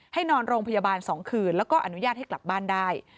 นอนโรงพยาบาล๒คืนแล้วก็อนุญาตให้กลับบ้านได้